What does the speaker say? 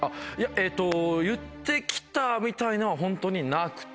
えっと言ってきたみたいのはホントになくて。